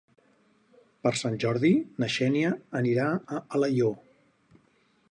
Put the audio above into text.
Per Sant Jordi na Xènia anirà a Alaior.